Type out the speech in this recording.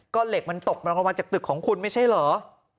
ก็เหล็กมันตกมันออกมาจากตึกของคุณไม่ใช่เหรอ